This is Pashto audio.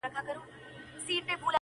پیدا کړي خدای له اصله ظالمان یو،